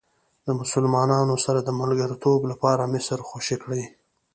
د مسلمانانو سره د ملګرتوب لپاره مصر خوشې کړئ.